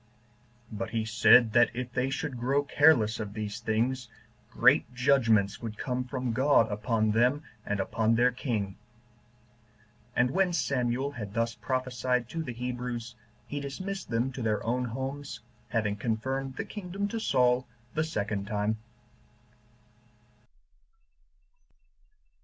But he said, that if they should grow careless of these things, great judgments would come from God upon them, and upon their king. And when Samuel had thus prophesied to the Hebrews, he dismissed them to their own homes, having confirmed the kingdom to Saul the second time.